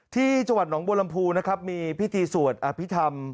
ที่จังหวัดหนองบัวลำพูนะครับมีพิธีสวดอภิษฐรรม